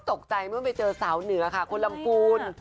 ตกใจเมื่อไปเจอสาวเหนือค่ะคนลำพูน